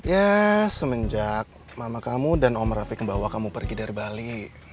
ya semenjak mama kamu dan om rafi kembawa kamu pergi dari bali